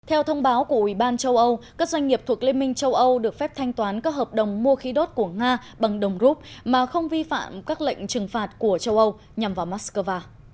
theo thông báo của ủy ban châu âu các doanh nghiệp thuộc liên minh châu âu được phép thanh toán các hợp đồng mua khí đốt của nga bằng đồng rút mà không vi phạm các lệnh trừng phạt của châu âu nhằm vào moscow